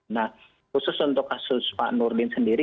nah khusus untuk kasus pak nurdin sendiri